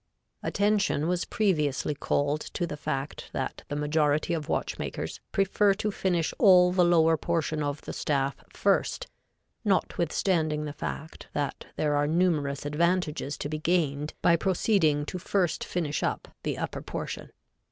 Attention was previously called to the fact that the majority of watchmakers prefer to finish all the lower portion of the staff first, notwithstanding the fact that there are numerous advantages to be gained by proceeding to first finish up the upper portion.